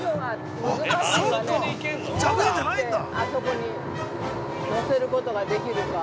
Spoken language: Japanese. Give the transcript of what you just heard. あそこに、乗せることができるか。